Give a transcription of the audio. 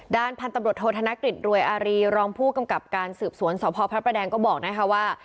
ด้านพันธบรรทโทษธนกฤทธิ์รวยอารีรองผู้กำกับการสืบสวนเสาพอพระประแดงก็บอกนะครับว่า